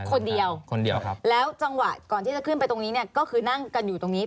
คนเดียวคนเดียวครับแล้วจังหวะก่อนที่จะขึ้นไปตรงนี้เนี่ยก็คือนั่งกันอยู่ตรงนี้